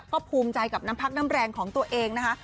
ก็ภูมิใจกับน้ำพักน้ำแรงของตัวเองนะคะ